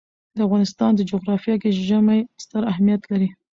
د افغانستان جغرافیه کې ژمی ستر اهمیت لري.